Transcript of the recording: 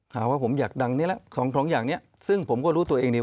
หาว่าผมอยากดังนี้แล้วของอย่างนี้ซึ่งผมก็รู้ตัวเองดี